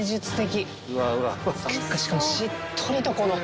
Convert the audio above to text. しかもしっとりとこの。